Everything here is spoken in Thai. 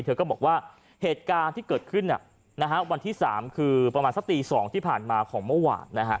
เธอก็บอกว่าเหตุการณ์ที่เกิดขึ้นวันที่๓คือประมาณสักตี๒ที่ผ่านมาของเมื่อวาน